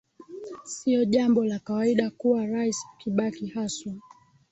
sio jambo la kawaida kuwa rais kibaki haswa